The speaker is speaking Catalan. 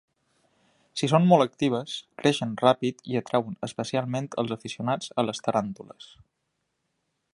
Són molt actives, creixen ràpid i atreuen especialment els aficionats a les taràntules.